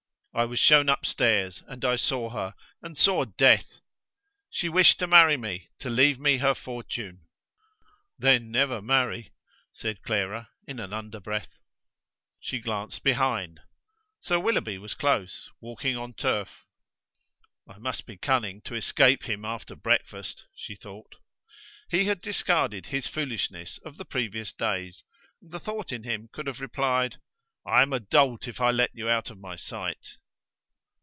I was shown upstairs, and I saw her, and saw death. She wished to marry me, to leave me her fortune!" "Then, never marry," said Clara, in an underbreath. She glanced behind. Sir Willoughby was close, walking on turf. "I must be cunning to escape him after breakfast," she thought. He had discarded his foolishness of the previous days, and the thought in him could have replied: "I am a dolt if I let you out of my sight."